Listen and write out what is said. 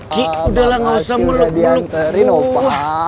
ki udahlah gak usah meluk luk gue